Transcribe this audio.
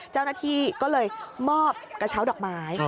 เจ้าหน้าที่ก็เลยมอบกระเช้าดอกไม้